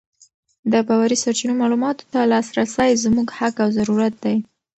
د باوري سرچینو معلوماتو ته لاسرسی زموږ حق او ضرورت دی.